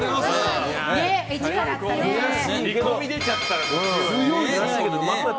煮込み出ちゃったら。